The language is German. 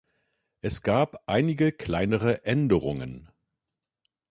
Es gab einige kleinere Änderungen.